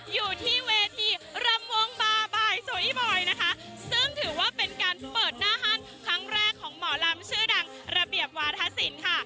อยู่ที่เวทีรำวงบาบายสวยอีบอยนะคะซึ่งถือว่าเป็นการเปิดหน้าฮันครั้งแรกของหมอลำชื่อดังระเบียบวาธศิลป์ค่ะ